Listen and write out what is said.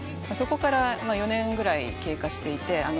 そこから４年ぐらい経過していて。